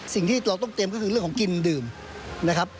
สิ่งที่เราต้องเตรียมก็คือเรื่องของกินดื่มนะครับ